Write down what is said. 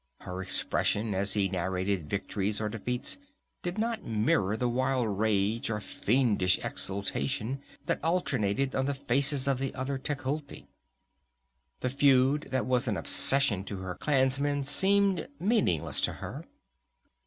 Her expression, as he narrated victories or defeats, did not mirror the wild rage or fiendish exultation that alternated on the faces of the other Tecuhltli. The feud that was an obsession to her clansmen seemed meaningless to her.